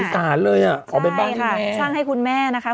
อีสานเลยอ่ะออกเป็นบ้านให้แม่ใช่ค่ะสร้างให้คุณแม่นะคะ